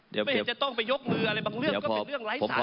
ไม่เห็นจะต้องไปยกมืออะไรบางเรื่องก็เป็นเรื่องไร้สาร